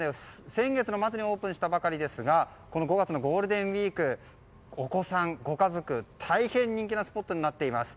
先月の末にオープンしたばかりですが５月のゴールデンウィークお子さん、ご家族に大変人気のスポットになっています。